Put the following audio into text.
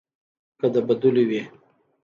که د بدلو وي.